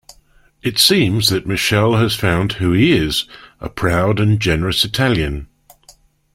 It seems that Michele has found who he is, a proud and generous Italian.